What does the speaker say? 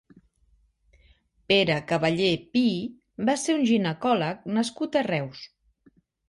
Pere Cavallé Pi va ser un ginecòleg nascut a Reus.